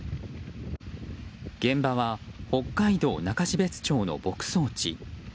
現場は北海道中標津町の牧草地。